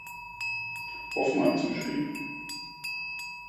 Hoffmann zuschrieb.